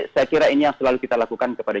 saya kira ini yang selalu kita lakukan kepada